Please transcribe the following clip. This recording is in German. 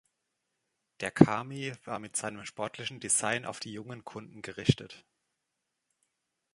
Der Cami war mit seinem sportlichen Design auf die jungen Kunden gerichtet.